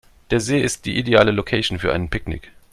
Der See ist die ideale Location für ein Picknick.